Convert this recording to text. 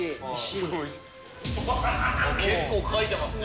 結構書いてますね。